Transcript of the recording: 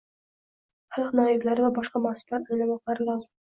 xalq noiblari va boshqa mas’ullar anglamoqlari lozim.